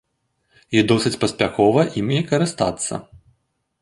І досыць паспяхова імі карыстацца.